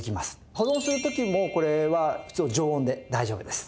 保存する時もこれは普通の常温で大丈夫です。